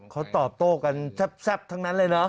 เขาตอบโต้กันแซ่บทั้งนั้นเลยเนอะ